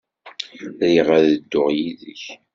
Riɣ ad dduɣ yid-k.